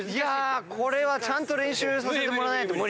これはちゃんと練習させてもらわないと無理。